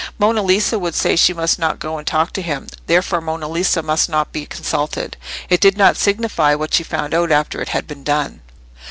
Monna Lisa would say she must not go and talk to him, therefore Monna Lisa must not be consulted. It did not signify what she found out after it had been done.